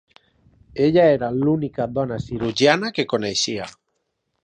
Ella era l"única dona cirurgiana que coneixia.